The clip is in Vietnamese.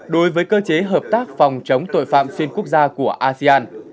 đối với cơ chế hợp tác phòng chống tội phạm xuyên quốc gia của asean